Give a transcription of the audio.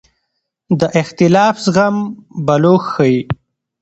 د اختلاف زغم بلوغ ښيي